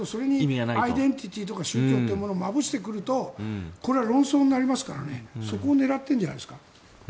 それにアイデンティティーとか宗教というものをまぶしてくるとこれは論争になりますからそこを狙ってるんじゃないですか。